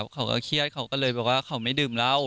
เขาก็เครียดเขาก็เลยบอกว่าเขาไม่ดื่มเหล้า